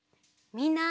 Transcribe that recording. みんな。